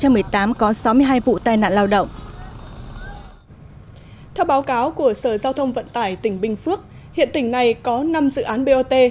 theo báo cáo của sở giao thông vận tải tỉnh bình phước hiện tỉnh này có năm dự án bot